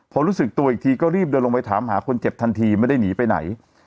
พอรู้สึกตัวอีกทีก็รีบเดินลงไปถามหาคนเจ็บทันทีไม่ได้หนีไปไหน